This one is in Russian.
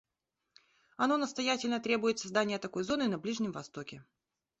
Оно настоятельно требует создания такой зоны на Ближнем Востоке.